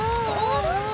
あら？